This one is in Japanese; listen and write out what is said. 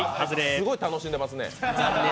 すごい楽しんでますね。